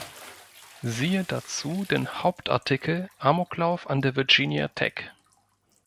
Siehe dazu den Hauptartikel "Amoklauf an der Virginia Tech".